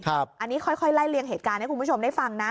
อันนี้ค่อยไล่เลี่ยงเหตุการณ์ให้คุณผู้ชมได้ฟังนะ